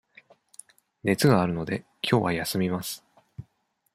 熱があるので、きょうは休みます。